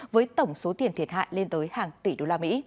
với tổng số tiền thiệt hại lên tới hàng tỷ đồng